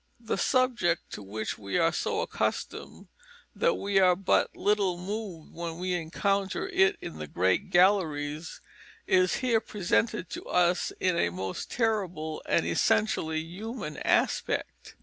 The subject, to which we are so accustomed that we are but little moved when we encounter it in the great galleries, is here presented to us in a most terrible and essentially human aspect.